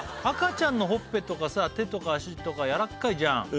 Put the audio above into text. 赤ちゃんのほっぺとかさ手とか足とかやらっかいじゃん